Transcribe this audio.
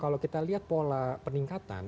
kalau kita lihat pola peningkatan